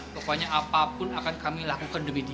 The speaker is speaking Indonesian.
pokoknya apapun akan kami lakukan demi dia